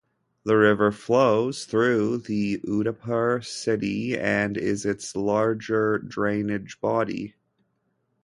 The river flows through the Udaipur city and is its larger drainage body.